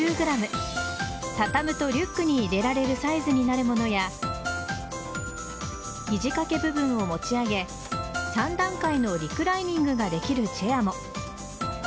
畳むとリュックに入れられるサイズになるものや肘掛け部分を持ち上げ３段階のリクライニングができるチェアも。